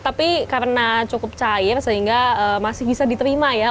tapi karena cukup cair sehingga masih bisa diterima ya